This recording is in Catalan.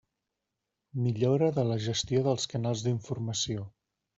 Millora de la gestió dels canals d'informació.